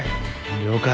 了解。